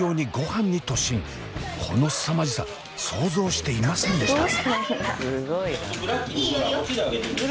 このすさまじさ想像していませんでした。